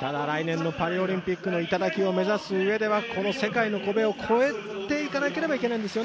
来年のパリオリンピックの頂を目指すためには、この世界の壁を越えていかなければいけないんですよね